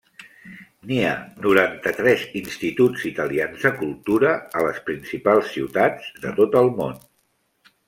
N'hi ha noranta-tres Instituts Italians de Cultura a les principals ciutats de tot el món.